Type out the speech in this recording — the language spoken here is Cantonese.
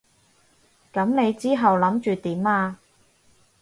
噉你之後諗住點啊？